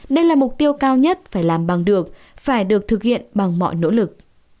đây là mục tiêu cao nhất phải làm bằng được phải được thực hiện bằng mọi nỗ lực